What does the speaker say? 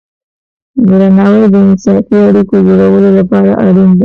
درناوی د انصافی اړیکو جوړولو لپاره اړین دی.